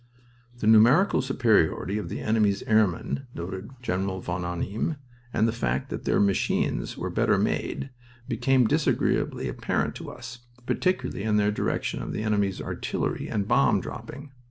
"The numerical superiority of the enemy's airmen," noted General von Arnim, "and the fact that their machines were better made, became disagreeably apparent to us, particularly in their direction of the enemy's artillery fire and in bomb dropping."